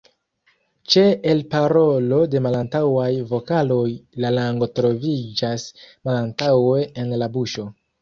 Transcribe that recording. Ĉe elparolo de malantaŭaj vokaloj la lango troviĝas malantaŭe en la buŝo.